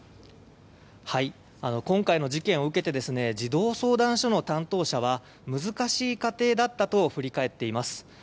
今回の事件を受けて児童相談所の担当者は難しい家庭だったと振り返っています。